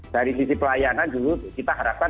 dari sisi pelayanan juga kita harapkan